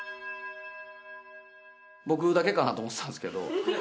僕だけかなと思ってたんですけど。